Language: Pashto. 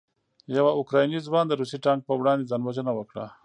یو اوکراني ځوان د روسي ټانک په وړاندې ځان وژنه وکړه.